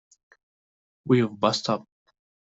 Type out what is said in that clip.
We've bust up.